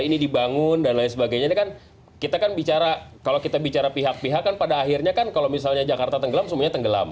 ini dibangun dan lain sebagainya ini kan kita kan bicara kalau kita bicara pihak pihak kan pada akhirnya kan kalau misalnya jakarta tenggelam semuanya tenggelam